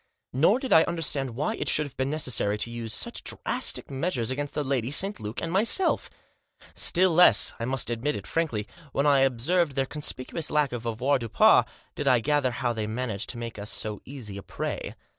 Nor did I understand why it should have been necessary to use quite such drastic measures against the lady, St. Luke, and myself. Still less — I admit it frankly — when I observed their conspicuous lack of avoirdupois, did I gather how they had managed to make of us so easy a prey.